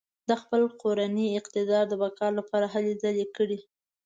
د خپل کورني اقتدار د بقا لپاره هلې ځلې کړې.